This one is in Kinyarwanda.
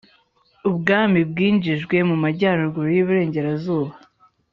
ubwami bwinjijwe mu majyaruguru y' uburengerazuba.